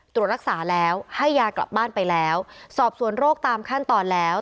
ตรวจรักษาแล้วให้ยากลับบ้านไปแล้วสอบสวนโรคตามขั้นตอนแล้ว